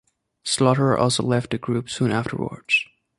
Slaughter also left the group soon afterwards.